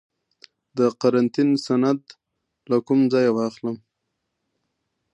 د قرنطین سند له کوم ځای واخلم؟